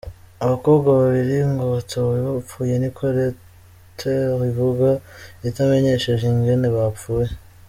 Abakobwa babiri ngo batowe bapfuye, niko Reuters ivuga, itamenyesheje ingene bapfuye.